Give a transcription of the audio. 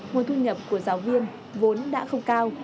nguồn thu nhập của giáo viên vốn đã không cao